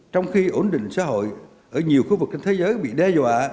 trong khi ổn định xã hội ở nhiều khu vực trên thế giới bị đe dọa